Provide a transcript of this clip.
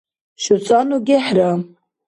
шуцӀанну гӀехӀра